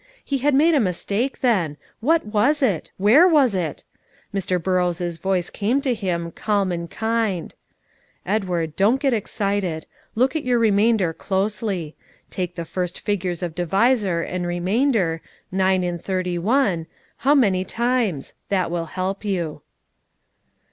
He had made a mistake, then; what was it? where was it? Mr. Burrows' voice came to him, calm and kind: "Edward, don't get excited. Look at your remainder closely; take the first figures of divisor and remainder nine in thirty one, how many times? That will help you."